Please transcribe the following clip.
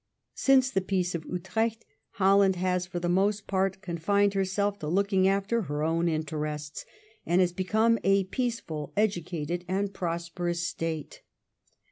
Since the Peace of Utrecht, Holland has for the most part confined herself to looking after her own interests, and has become a peaceful educated and prosperous state.